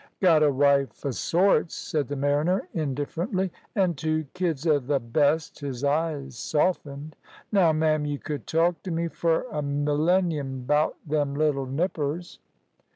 "Got a wife o' sorts," said the mariner, indifferently, "an' two kids of th' best." His eyes softened. "Now, ma'am, you could talk t' me fur a millennium 'bout them little nippers."